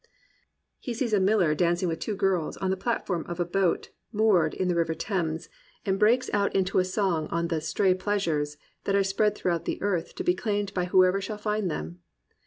'* fle sees a Miller dancing with two girls on the plat form of ia boat moored in the river Thames, and THE RECOVERY OF JOY breaks out into a song on the "stray pleasures'*' that are spread through the earth to be claimed by whoever shall find them.